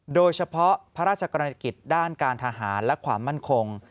โดยเฉพาะพระราชกรณีกิจด้านการทหารและความมั่นคง